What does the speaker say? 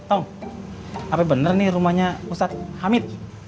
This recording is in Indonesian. oh apa bener nih rumahnya ustadz hamid